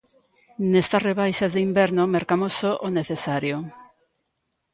Nestas rebaixas de inverno mercamos só o necesario.